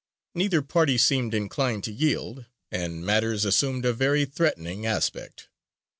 Neither party seemed inclined to yield, and matters assumed a very threatening aspect.